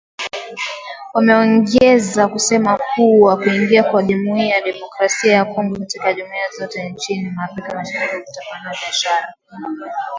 Wameongeza kusema kuwa kuingia kwa Jamuhuri ya kidemokrasia ya Kongo katika jumuhiya za inchi za Afrika mashariki kutapanua biashara na ushirikiano wa kieneo